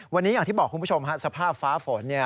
วันนี้อย่างที่บอกคุณผู้ชมสภาพฟ้าฝน